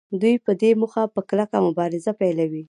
دوی په دې موخه په کلکه مبارزه پیلوي